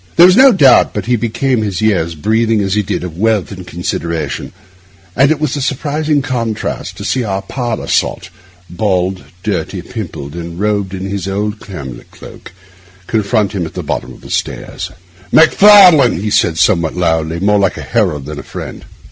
There was no doubt but he became his years, breathing, as he did, of wealth and consideration; and it was a surprising contrast to see our parlour sot—bald, dirty, pimpled, and robed in his old camlet cloak—confront him at the bottom of the stairs. 'Macfarlane!' he said somewhat loudly, more like a herald than a friend.